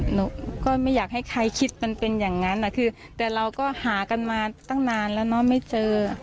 หนูก็ไม่อยากให้ใครคิดมันเป็นอย่างนั้นคือแต่เราก็หากันมาตั้งนานแล้วเนอะไม่เจอ